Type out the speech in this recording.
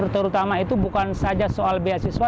terutama itu bukan saja soal biaya siswa